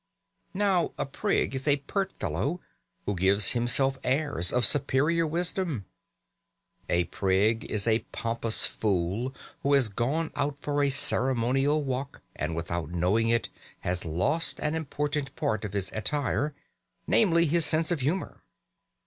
Now a prig is a pert fellow who gives himself airs of superior wisdom. A prig is a pompous fool who has gone out for a ceremonial walk, and without knowing it has lost an important part of his attire, namely, his sense of humour.